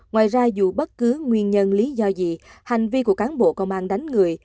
ngoài ra dù bất cứ nguyên nhân lý do gì hành vi của cán bộ công an đánh người